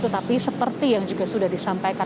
tetapi seperti yang juga sudah disampaikan